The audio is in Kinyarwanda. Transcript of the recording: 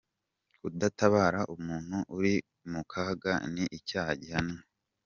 Kudatabara umuntu uri mu kaga ni icyaha gihanwa